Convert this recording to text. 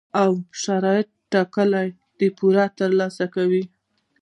او شرایط ټاکل، د پور ترلاسه کول،